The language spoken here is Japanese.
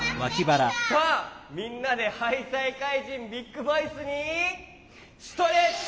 さあみんなでハイサイかいじんビッグボイスにストレッチ。